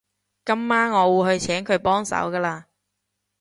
今晚我會去請佢幫手㗎喇